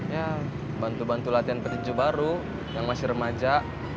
ya bantu bantu latihan petinju baru yang masih remaja